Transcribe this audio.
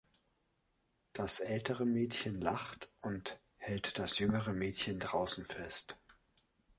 Das ältere Mädchen lacht und hält das jüngere Mädchen draußen fest